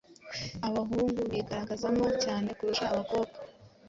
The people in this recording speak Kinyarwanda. abahungu bigaragazamo cyane kurusha abakobwa.